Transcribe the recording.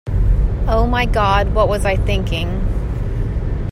Oh my God, what was I thinking?